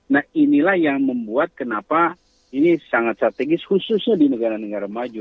nah inilah yang membuat kenapa ini sangat strategis khususnya di negara negara maju